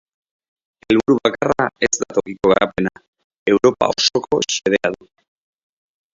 Helburu bakarra ez da tokiko garapena, Europa osoko xedea du.